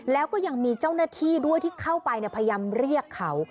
แล้วก็ยังมีเจ้าหน้าที่ด้วยที่เข้าไปพยายามเรียกเขา